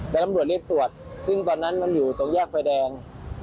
แล้วตำรวจเรียกตรวจซึ่งตอนนั้นมันอยู่ตรงแยกไฟแดง